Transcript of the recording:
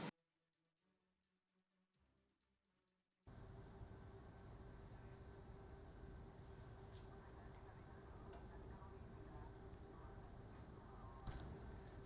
jadi kalau ada air air yang jatuh paling mungkin ada yang jatuh